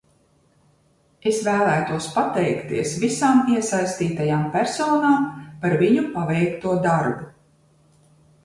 Es vēlētos pateikties visām iesaistītajām personām par viņu paveikto darbu.